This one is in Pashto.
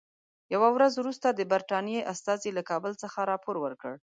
یوه ورځ وروسته د برټانیې استازي له کابل څخه راپور ورکړ.